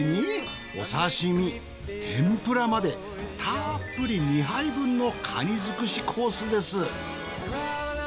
天ぷらまでたっぷり２杯分のカニ尽くしコースです。